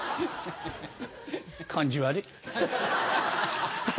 感じ悪い。